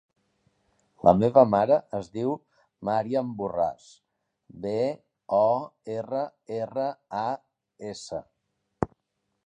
La meva mare es diu Màriam Borras: be, o, erra, erra, a, essa.